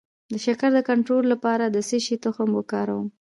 د شکر د کنټرول لپاره د څه شي تخم وکاروم؟